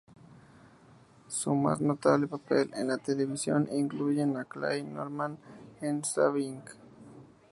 Su más notable papel en la televisión, incluyen a Clay Norman en "Saving Grace".